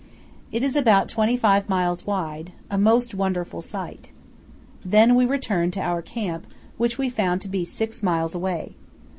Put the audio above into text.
It is about twenty five miles wide—a most wonderful sight. Then we returned to our camp, which we found to be six miles away.